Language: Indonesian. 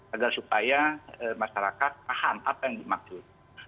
agar supaya masyarakat paham apa yang dimaksud